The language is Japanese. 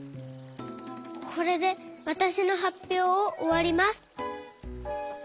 これでわたしのはっぴょうをおわります。